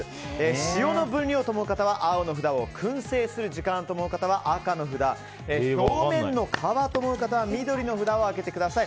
塩の分量だと思ったら青の札を燻製する時間だと思う方は赤の札表面の皮だと思う方は緑の札を上げてください。